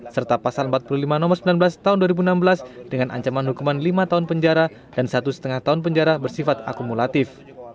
serta pasal empat puluh lima nomor sembilan belas tahun dua ribu enam belas dengan ancaman hukuman lima tahun penjara dan satu lima tahun penjara bersifat akumulatif